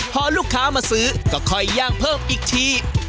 พอลูกค้ามาซื้อก็ค่อยย่างเพิ่มอีกที